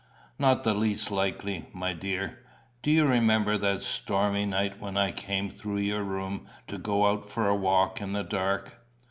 "Not the least likely, my dear. Do you remember that stormy night when I came through your room to go out for a walk in the dark?"